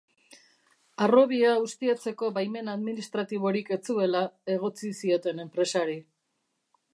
Harrobia ustiatzeko baimen administratiborik ez zuela egotzi zioten enpresari.